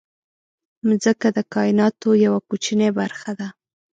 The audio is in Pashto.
مځکه د کایناتو یوه کوچنۍ برخه ده.